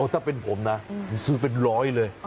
ถ้าเป็นผมนะผมซื้อเป็นร้อยเลย